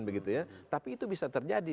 begitu ya tapi itu bisa terjadi